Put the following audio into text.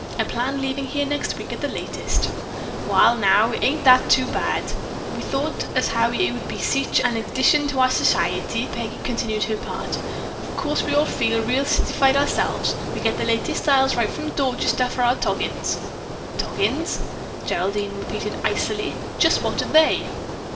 I plan leaving here next week at the latest." "Wall, naow, ain't that too bad? We thought as how yew'd be seech an addition to our saciety," Peggy continued her part. "Of course we all feel real citified ourselves. We get the latest styles right from Dorchester for our toggins." "Toggins?" Geraldine repeated icily. "Just what are they?"